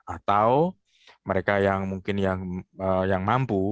atau mereka yang mungkin yang mampu